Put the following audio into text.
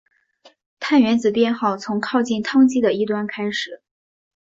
碳原子编号从靠近羰基的一端开始。